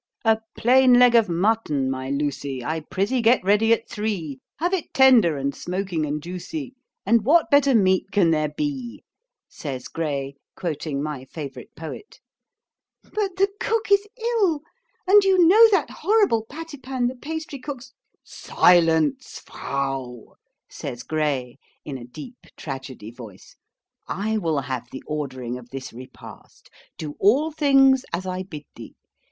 '"A plain leg of mutton, my Lucy, I prythee get ready at three; Have it tender, and smoking, and juicy, And what better meat can there be?"' says Gray, quoting my favourite poet. 'But the cook is ill; and you know that horrible Pattypan the pastrycook's ' 'Silence, Frau!' says Gray, in a deep tragedy voice. 'I will have the ordering of this repast. Do all things as I bid thee.